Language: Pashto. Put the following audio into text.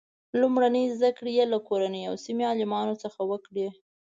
لومړنۍ زده کړې یې له کورنۍ او سیمې عالمانو څخه وکړې.